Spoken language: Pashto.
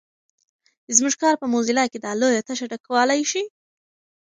زموږ کار په موزیلا کې دا لویه تشه ډکولای شي.